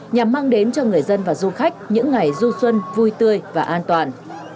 nhằm mang đến cho người dân và du khách những ngày du xuân vui tươi và an toàn